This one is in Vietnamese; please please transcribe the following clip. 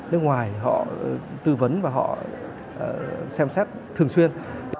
nước ngoài họ tư vấn và họ xem xét thường xuyên